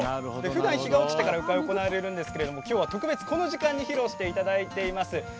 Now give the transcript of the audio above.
ふだん日が落ちてから鵜飼、行われるんですが今日は特別、この時間に披露していただきます。